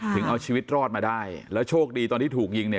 ถึงเอาชีวิตรอดมาได้แล้วโชคดีตอนที่ถูกยิงเนี่ย